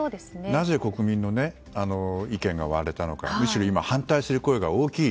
なぜ国民の意見が割れたのかむしろ今反対する声が大きい。